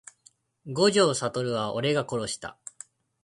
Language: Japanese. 五条悟は俺が殺した…